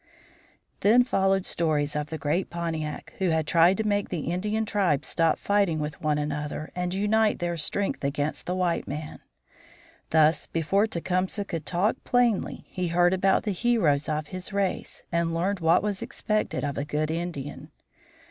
Then followed stories of the great Pontiac, who had tried to make the Indian tribes stop fighting with one another and unite their strength against the white man. Thus, before Tecumseh could talk plainly, he heard about the heroes of his race, and learned what was expected of a good Indian.